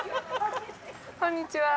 こんにちは。